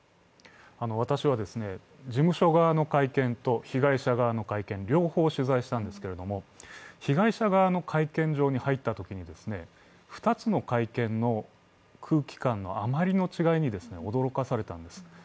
私は事務所側の会見と被害者側の会見、両方取材したんですけれども被害者側の会見場に入ったときに、２つの会見の空気感のあまりの違いに驚かされたんです。